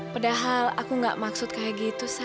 padahal aku gak maksud kayak gitu